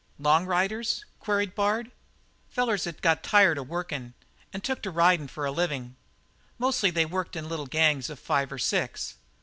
"Long riders?" queried Bard. "Fellers that got tired of workin' and took to ridin' for their livin'. Mostly they worked in little gangs of five and six.